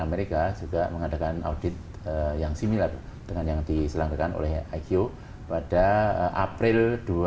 dan mereka juga mengadakan audit yang similar dengan yang diselanggarkan oleh iq pada april dua ribu tujuh